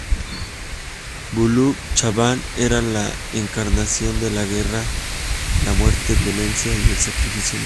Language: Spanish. Buluc-Chabtan era la encarnación de la guerra, la muerte violenta y el sacrificio humano.